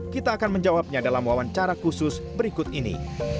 kita akan menjawabnya dalam wawancara khusus berikut ini